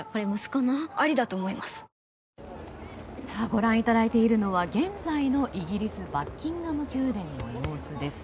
ご覧いただいているのは現在のイギリスのバッキンガム宮殿の様子です。